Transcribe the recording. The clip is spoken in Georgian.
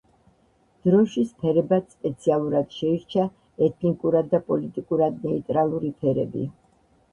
დროშის ფერებად სპეციალურად შეირჩა ეთნიკურად და პოლიტიკურად ნეიტრალური ფერები.